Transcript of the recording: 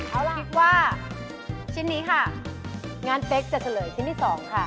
เอาล่ะคิดว่าชิ้นนี้ค่ะงั้นเป๊กจะเฉลยชิ้นที่๒ค่ะ